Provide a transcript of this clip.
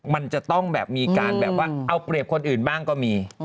มันจะต้องแบบมีการแบบว่าเอาเปรียบคนอื่นบ้างก็มี